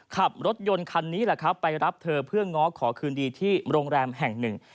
ขับรถยนต์คันนี้แหละครับไปรับเธอเพื่อง้อขอคืนดีที่โรงแรมแห่งหนึ่ง